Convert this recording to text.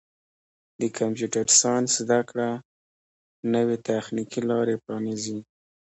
د کمپیوټر ساینس زدهکړه نوې تخنیکي لارې پرانیزي.